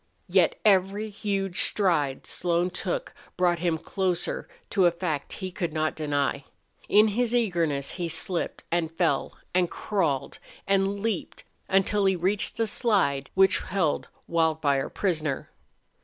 Yet every huge stride Slone took brought him closer to a fact he could not deny. In his eagerness he slipped, and fell, and crawled, and leaped, until he reached the slide which held Wildfire prisoner.